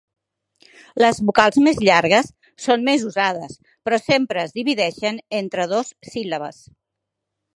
Les vocals més llargues són més usades, però sempre es divideixen entre dos síl·labes.